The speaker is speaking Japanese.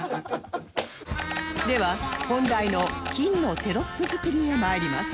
では本題の金のテロップ作りへ参ります